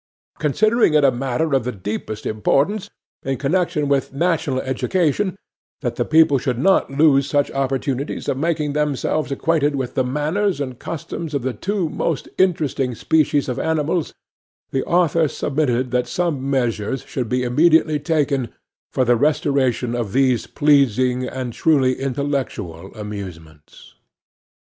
Considering it a matter of the deepest importance, in connection with national education, that the people should not lose such opportunities of making themselves acquainted with the manners and customs of two most interesting species of animals, the author submitted that some measures should be immediately taken for the restoration of these pleasing and truly intellectual amusements.